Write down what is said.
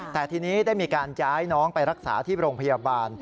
แต่ทีนี้ได้มีการย้ายน้องไปรักษาที่โรงพยาบาล